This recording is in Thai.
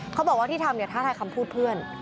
เขาบอกว่าที่ทำเนี่ยท้าทายคำพูดเพื่อน